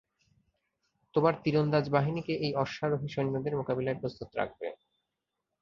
তোমার তীরন্দাজ বাহিনীকে এই অশ্বারোহী সৈন্যদের মোকাবিলায় প্রস্তুত রাখবে।